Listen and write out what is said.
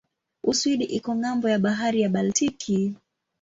Uswidi iko ng'ambo ya bahari ya Baltiki.